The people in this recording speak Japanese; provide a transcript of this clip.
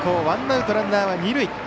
ワンアウトランナーは二塁。